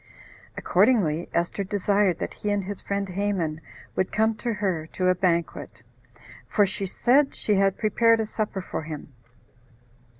Accordingly, Esther desired that he and his friend Haman would come to her to a banquet, for she said she had prepared a supper for him.